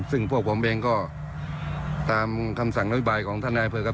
ซึ่งพวกผมเองก็ตามคำสั่งนโยบายของท่านนายอำเภอครับ